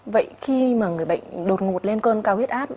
vậy khi mà người bệnh đột ngột lên cơn cao huyết áp